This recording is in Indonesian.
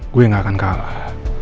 gue nggak akan kalah